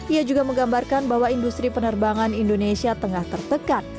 ia juga menggambarkan bahwa industri penerbangan indonesia tengah tertekan